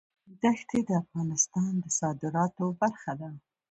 دښتې د افغانستان د صادراتو برخه ده.